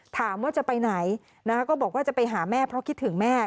ถามว่าจะไปไหนก็บอกว่าจะไปหาแม่เพราะคิดถึงแม่